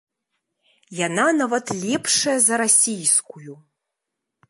Яна нават лепшая за расійскую.